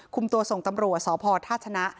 คุมตัวส่งตำรวจสอบพอร์ธาชนะ